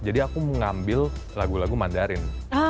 jadi aku mau ngambil lagu lagu mandarin